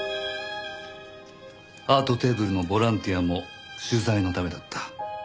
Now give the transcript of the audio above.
ハートテーブルのボランティアも取材のためだった。